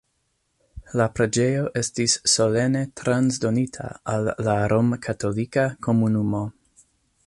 La la preĝejo estis solene transdonita al la romkatolika komunumo.